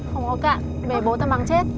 không có cạn bể bố tao bằng chết